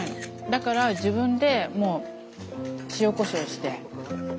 だから自分でもう塩こしょうして。